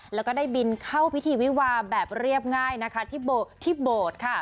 แล้วก็ได้บินเข้าพิธีวิวาแบบเรียบง่ายนะคะที่โบสถ์ค่ะ